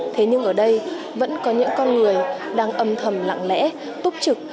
thế nhưng ở đây vẫn có những con người đang âm thầm lặng lẽ túc trực